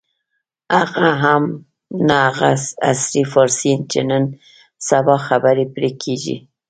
هغه هم نه هغه عصري فارسي چې نن سبا خبرې پرې کېږي.